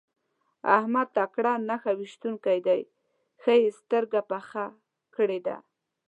احمد تکړه نښه ويشتونکی دی؛ ښه يې سترګه پخه کړې ده.